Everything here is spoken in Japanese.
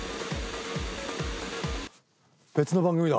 別の番組だ。